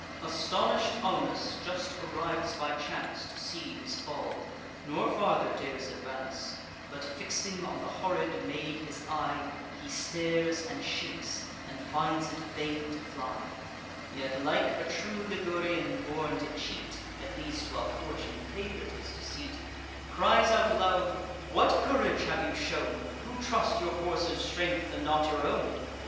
Astonish'd Aunus just arrives by chance, To see his fall; nor farther dares advance; But, fixing on the horrid maid his eye, He stares, and shakes, and finds it vain to fly; Yet, like a true Ligurian, born to cheat, (At least while fortune favour'd his deceit,) Cries out aloud: "What courage have you shown, Who trust your courser's strength, and not your own?